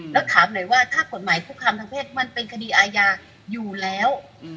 แล้วถามหน่อยว่าถ้ากฎหมายคุกคามทางเพศมันเป็นคดีอาญาอยู่แล้ว